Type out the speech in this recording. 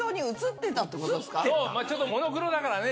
⁉ちょっとモノクロだからね。